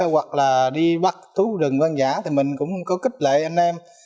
hoặc là đi bắt thú rừng văn giả thì mình cũng có kích lệ anh em